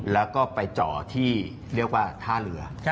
แล้วก็ไปจ่อที่เรียกว่าท่าเรือ